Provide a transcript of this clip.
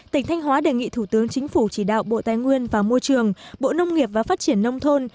tỉnh thanh hóa đề nghị thủ tướng chính phủ chỉ đạo bộ tài nguyên và môi trường bộ nông nghiệp và phát triển nông thôn